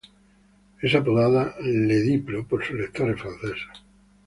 Es apodada "Le Diplo" por sus lectores franceses.